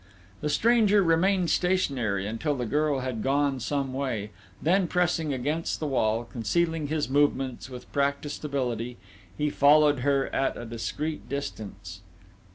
The stranger remained stationary until the girl had gone some way; then pressing against the wall, concealing his movements with practised ability, he followed her at a discreet distance....